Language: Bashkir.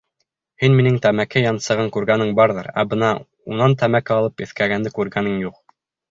Һин минең тәмәке янсығын күргәнең барҙыр, ә бына унан тәмәке алып еҫкәгәнде күргәнең юҡ.